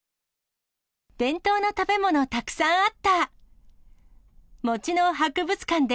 伝統の食べ物、たくさんあった！